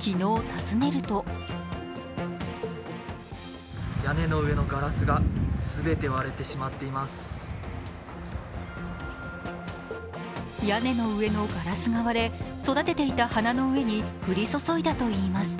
昨日訪ねると屋根の上のガラスが割れ、育てていた花の上に降り注いだといいます。